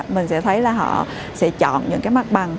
mình sẽ thấy là họ sẽ chọn những cái mặt bằng